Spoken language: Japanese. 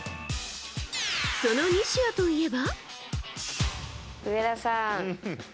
その西矢といえば。